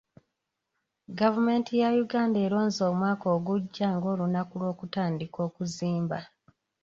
Gavumenti ya Uganda eronze omwaka ogujja nga olunaku lw'okutandika okuzimba.